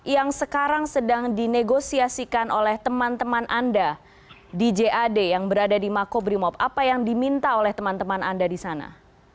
yang sekarang sedang dinegosiasikan oleh teman teman anda di jad yang berada di makobrimob apa yang diminta oleh teman teman anda di sana